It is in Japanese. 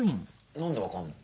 何で分かんの？